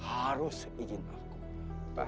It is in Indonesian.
harus izin allah